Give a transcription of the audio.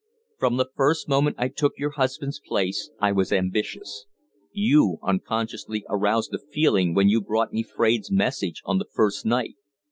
"From the first moment I took your husband's place I was ambitious. You unconsciously aroused the feeling when you brought me Fraide's message on the first night.